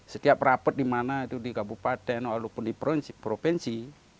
setiap rapat di mana itu di kabupaten walaupun di provinsi